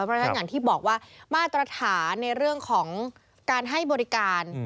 เพราะฉะนั้นอย่างที่บอกว่ามาตรฐานในเรื่องของการให้บริการ